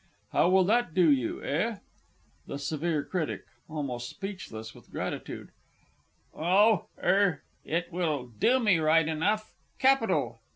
How will that do you, eh? THE SEVERE CRITIC (almost speechless with gratitude). Oh er it will do me right enough capital!